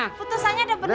putusannya udah bener gak